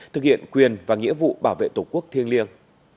thực hiện quyền và nghĩa vụ bảo vệ tổ quốc thiêng liêng